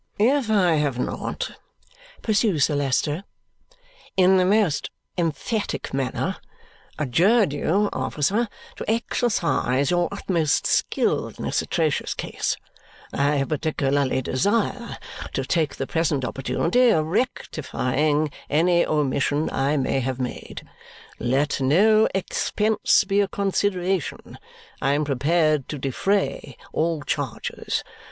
"If I have not," pursues Sir Leicester, "in the most emphatic manner, adjured you, officer, to exercise your utmost skill in this atrocious case, I particularly desire to take the present opportunity of rectifying any omission I may have made. Let no expense be a consideration. I am prepared to defray all charges.